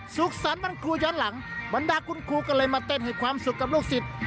สุขสรรค์วันครูย้อนหลังบรรดาคุณครูก็เลยมาเต้นให้ความสุขกับลูกศิษย์